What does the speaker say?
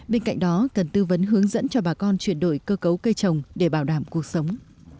bên cạnh đó cần tư vấn hướng dẫn cho bà con chuyển đổi cơ cấu cây trồng để bảo đảm cuộc sống